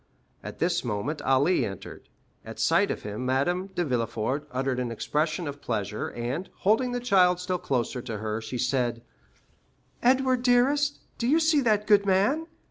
At this moment Ali entered. At sight of him Madame de Villefort uttered an expression of pleasure, and, holding the child still closer towards her, she said: "Edward, dearest, do you see that good man?